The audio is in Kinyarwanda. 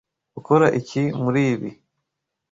Ukora iki muri ibi?